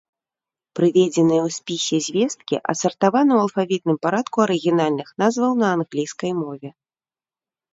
Прыведзеныя ў спісе звесткі адсартаваны ў алфавітным парадку арыгінальных назваў на англійскай мове.